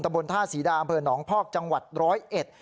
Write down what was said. ตระบวนท่าสีดาอำเภอหนองพอกจังหวัด๑๐๑